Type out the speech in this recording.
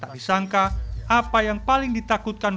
tak disangka apa yang paling ditakutkan